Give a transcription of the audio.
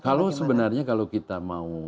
kalau sebenarnya kalau kita mau